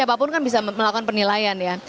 apapun kan bisa melakukan penilaian ya